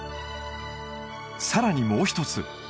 さらにもう一つ